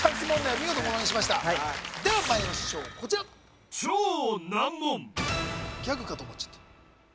見事モノにしましたではまいりましょうこちらギャグかと思っちゃった